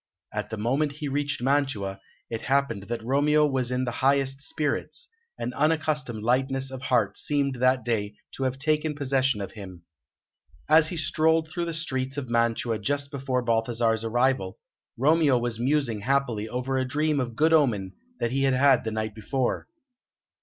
At the moment he reached Mantua, it happened that Romeo was in the highest spirits; an unaccustomed lightness of heart seemed that day to have taken possession of him. As he strolled through the streets of Mantua just before Balthasar's arrival, Romeo was musing happily over a dream of good omen that he had had the night before.